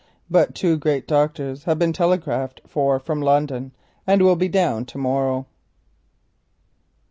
"But two great doctors have been telegraphed for from London, and will be down to morrow."